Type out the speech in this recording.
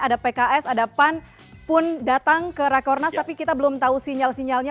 ada pks ada pan pun datang ke rakornas tapi kita belum tahu sinyal sinyalnya